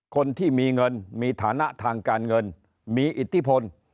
คนที่มีเงินมีฐานะทางการเงินมีอิทธิพล